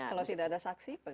kalau tidak ada saksi